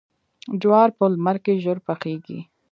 جوار په لمر کې ژر پخیږي.